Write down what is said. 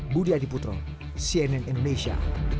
budi adiputro cnn indonesia